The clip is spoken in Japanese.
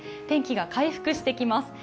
天気が回復してきます。